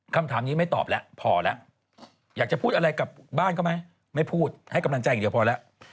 คำถามนี้ไม่ตอบแล้วพอแล้วอยากจะพูดอะไรกับบ้านเขาไหมไม่พูดให้กำลังใจอย่างเดียวพอแล้ว